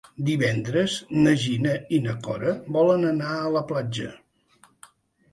Divendres na Gina i na Cora volen anar a la platja.